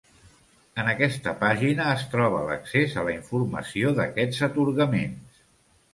En aquesta pàgina es troba l'accés a la informació d'aquests atorgaments.